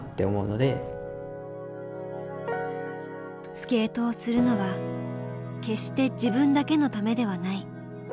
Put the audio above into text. スケートをするのは決して自分だけのためではない。